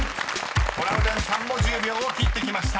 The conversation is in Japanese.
［トラウデンさんも１０秒を切ってきました］